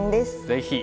ぜひ。